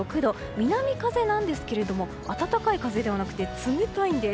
南風なんですが暖かい風でなくて、冷たいんです。